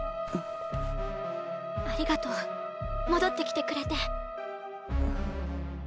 ありがとう戻ってきてくれて。